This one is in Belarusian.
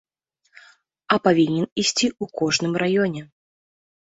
А павінен ісці ў кожным раёне.